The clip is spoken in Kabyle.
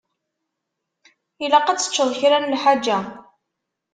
Ilaq ad teččeḍ kra n lḥaǧa.